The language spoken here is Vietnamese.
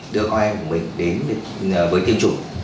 đưa con em của mình đến với tiêm chủng